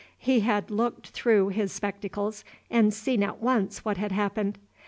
He had looked through his spectacles and seen at once what had happened.